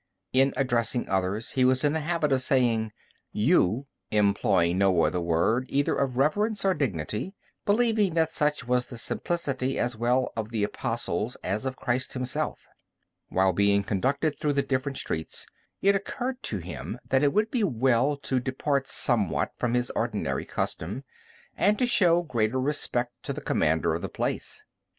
In addressing others he was in the habit of saying "you," employing no other word either of reverence or dignity, believing that such was the simplicity as well of the Apostles as of Christ Himself. While being conducted through the different streets, it occurred to him that it would be well to depart somewhat from his ordinary custom, and to show greater respect to the commander of the place.